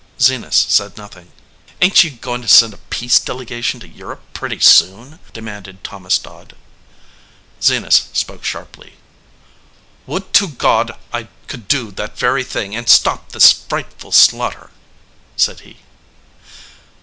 Zenas said nothing. "Ain t you going to send a peace delegation to Europe pretty soon?" demanded Thomas Dodd. Zenas spoke sharply. "Would to God I could do that very thing and stop this frightful slaughter!" said he.